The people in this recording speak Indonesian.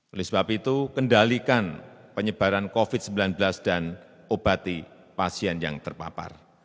oleh sebab itu kendalikan penyebaran covid sembilan belas dan obati pasien yang terpapar